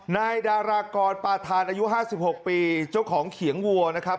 นายดารากรปาธานอายุ๕๖ปีเจ้าของเขียงวัวนะครับ